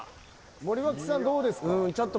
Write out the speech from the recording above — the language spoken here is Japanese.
森脇さん、どうですか？